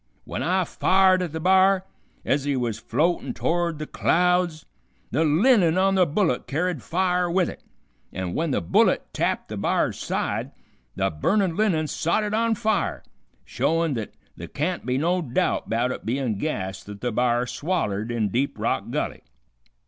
Wen I fired at the b'ar, ez he was floatin' to'ard the clouds, the linen on the bullet carried fire with it, an' w'en the bullet tapped the b'ar's side the burnin' linen sot it on fire, showin' th't th' can't be no doubt 'bout it bein' gas th't the b'ar swallered in Deep Rock Gulley.